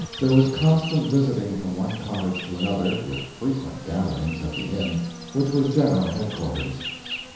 There was constant visiting from one cottage to another, with frequent gatherings at the Inn, which was general headquarters.